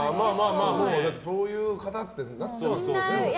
そういう方ってなってますもんね。